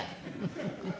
フフフフ。